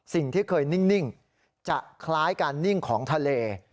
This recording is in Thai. สิ่งที่เคยนิ่งจะคล้ายการนิ่งของทะเล